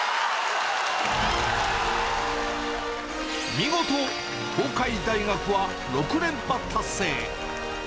見事東海大学は６連覇達成。